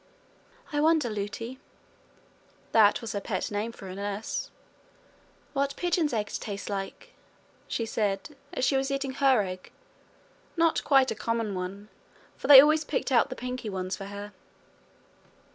'I wonder, Lootie' that was her pet name for her nurse 'what pigeons' eggs taste like?' she said, as she was eating her egg not quite a common one, for they always picked out the pinky ones for her.